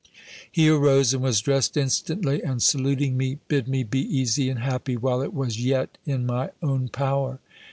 He arose, and was dressed instantly; and saluting me, bid me be easy and happy, while it was yet in my own power.